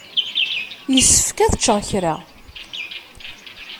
Yessefk ad ččeɣ kra.